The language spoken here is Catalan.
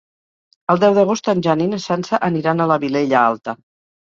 El deu d'agost en Jan i na Sança aniran a la Vilella Alta.